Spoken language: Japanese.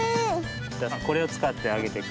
じゃあこれをつかってあげてください。